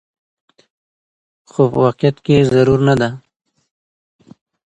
خو په واقعيت کې ضرور نه ده